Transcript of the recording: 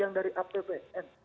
yang dari apbn